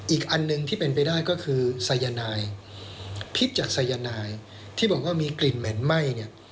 อีกอันหนึ่งที่เป็นไปได้ก็คือสายนายพิษจากสายนายที่บอกว่ามีกลิ่นเหม็นไหม้เนี่ย